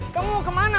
kamu mau kemana bur